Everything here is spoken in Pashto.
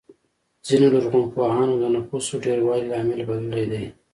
ځینو لرغونپوهانو د نفوسو ډېروالی لامل بللی دی.